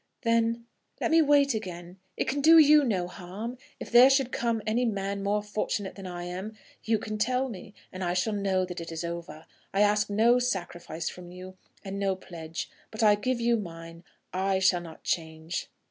"Then let me wait again. It can do you no harm. If there should come any man more fortunate than I am, you can tell me, and I shall know that it is over. I ask no sacrifice from you, and no pledge; but I give you mine. I shall not change."